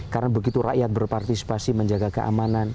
karena begitu rakyat berpartisipasi menjaga keamanan